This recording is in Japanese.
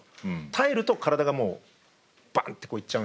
耐えると体がもうバンって行っちゃうんで。